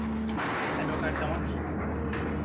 Este é meu cartão aqui.